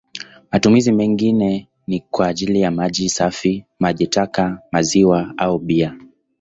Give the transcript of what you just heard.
Matumizi mengine ni kwa ajili ya maji safi, maji taka, maziwa au bia.